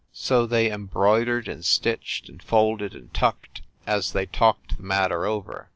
So they embroidered and stitched and folded and tucked as they talked the matter over.